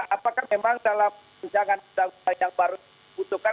apakah memang dalam pencegahan yang baru dibutuhkan